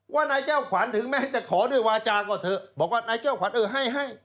ว่านายเจ้าขวัญถึงแม้จะขอด้วยวาจาก่อเถอะบอกว่านายเจ้าขวัญเออให้ให้